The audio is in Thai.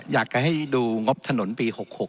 อยากจะให้ดูงบถนนปี๖๖